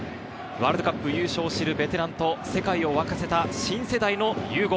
ワールドカップ優勝を知るベテランと世界を沸かせた新世代の融合。